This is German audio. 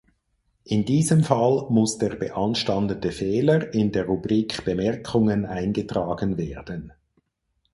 In diesem Fall muss der beanstandete Fehler in der Rubrik Bemerkungen eingetragen werden.